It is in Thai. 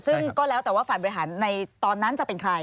ซึ่งก็แล้วแต่ว่าฝ่ายบริหารในตอนนั้นจะเป็นใคร